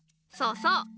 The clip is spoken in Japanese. そうそう。